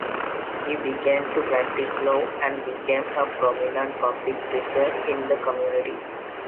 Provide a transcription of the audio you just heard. He began to practice law and became a prominent public figure in the community.